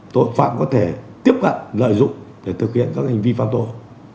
tội phạm có thể tiếp cận lợi dụng để thực hiện các hành vi phạm tội